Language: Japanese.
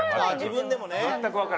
ああ自分でもね。